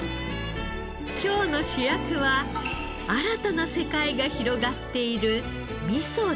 今日の主役は新たな世界が広がっている味噌です。